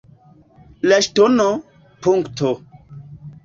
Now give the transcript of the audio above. La ŝtono, punkto